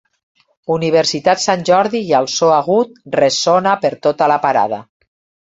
Universitat Sant Jordi i el so agut ressona per tota la parada.